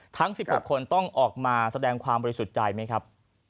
ทั้ง๑๖คนต้องออกมาแสดงความบริสุทธิ์ใจไหมครับ